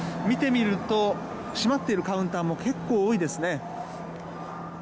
見てみると閉まっているカウンターも結構、多いですね。